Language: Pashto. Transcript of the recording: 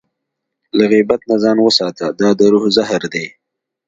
له غیبت نه ځان وساته، دا د روح زهر دی.